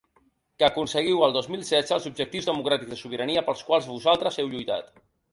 Que aconseguiu el dos mil setze els objectius democràtics de sobirania pels quals vosaltres heu lluitat